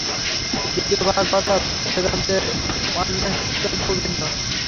দ্বিতীয় ভাগ অর্থাৎ বেদান্তের অন্বেষ্টব্য ভিন্ন।